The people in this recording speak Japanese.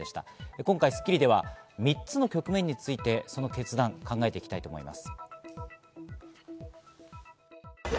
今回『スッキリ』では３つの局面についてその決断を考えていきます。